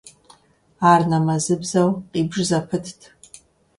Ар нэмэзыбзэу къибж зэпытт.